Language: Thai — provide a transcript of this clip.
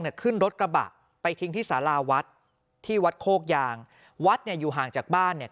ขึ้นรถกระบะไปทิ้งที่สาราวัดที่วัดโคกยางวัดเนี่ยอยู่ห่างจากบ้านเนี่ย